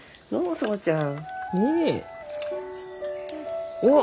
園ちゃん。